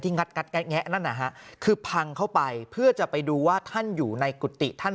งัดแงะนั่นนะฮะคือพังเข้าไปเพื่อจะไปดูว่าท่านอยู่ในกุฏิท่าน